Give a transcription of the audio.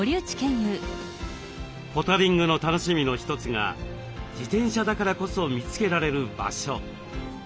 ポタリングの楽しみの一つが自転車だからこそ見つけられる場所。